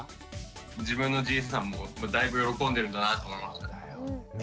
自分のじいさんもだいぶ喜んでるんだなって思いましたね。